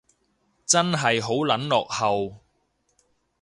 真係好撚落後